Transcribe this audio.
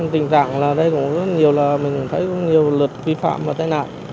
tình trạng là đây cũng rất nhiều là mình thấy có nhiều luật vi phạm và tai nạn